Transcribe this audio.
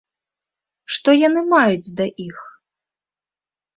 Што яны маюць да іх?